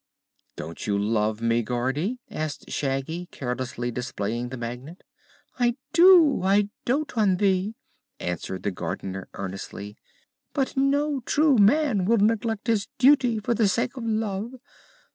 "Don't you love me, Gardy?" asked Shaggy, carelessly displaying the Magnet. "I do. I dote on thee!" answered the Gardener earnestly; "but no true man will neglect his duty for the sake of love.